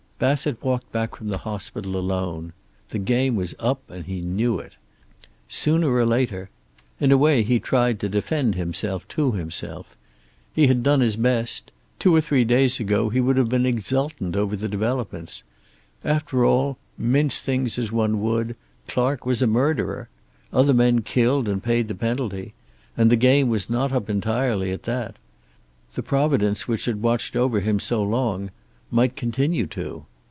Bassett walked back from the hospital alone. The game was up and he knew it. Sooner or later In a way he tried to defend himself to himself. He had done his best. Two or three days ago he would have been exultant over the developments. After all, mince things as one would, Clark was a murderer. Other men killed and paid the penalty. And the game was not up entirely, at that. The providence which had watched over him for so long might continue to.